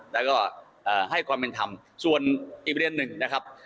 แล้วก็ให้ความเป็นธรรมส่วนอีกประเด็นหนึ่งนะครับ